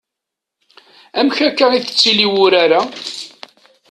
Amek akka i d-ittili wurar-a?